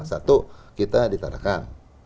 satu kita di tarakan